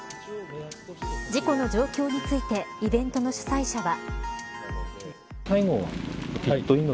事故の状況についてイベントの主催者は。